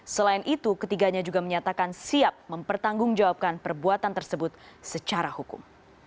selain itu ketiganya juga menyatakan siap mempertanggungjawabkan perbuatan tersebut secara hukum